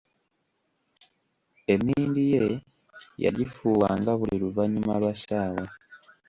Emmindi ye yagifuuwanga buli luvannyuma lwa ssaawa.